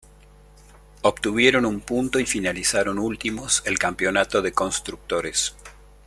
Obtuvieron un punto y finalizaron últimos el campeonato de constructores.